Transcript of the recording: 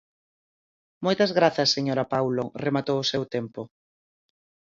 Moitas grazas, señora Paulo, rematou o seu tempo.